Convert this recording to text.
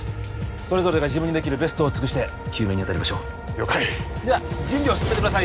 それぞれが自分にできるベストを尽くして救命にあたりましょう了解では準備を進めてください